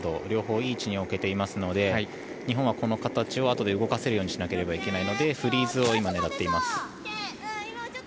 両方いい位置に置けていますので日本はこの形をあとで動かせるようにしないといけないのでフリーズを今、狙っています。